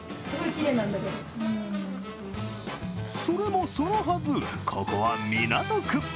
それもそのはず、ここは港区。